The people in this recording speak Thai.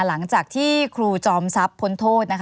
หลังจากที่ครูจอมซับพ้นโทษ